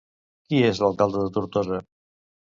Qui és l'alcalde de Tortosa?